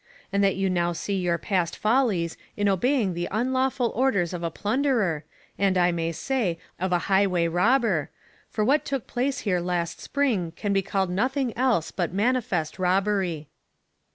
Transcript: and that you now see your past follies in obeying the unlawful orders of a plunderer, and I may say, of a highway robber, for what took place here last spring can be called nothing else but manifest robbery.'